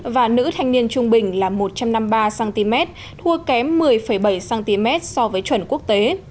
và nữ thanh niên trung bình là một trăm năm mươi ba cm thua kém một mươi bảy cm so với chuẩn quốc tế